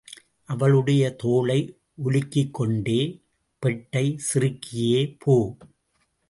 அவளுடைய தோளை உலுக்கிக் கொண்டே, பெட்டைச் சிறுக்கியே போ!